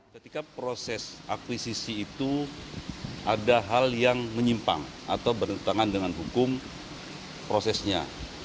ketika proses akuisisi itu ada hal yang menyimpang atau bertentangan dengan hukum prosesnya